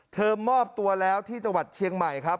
มอบตัวแล้วที่จังหวัดเชียงใหม่ครับ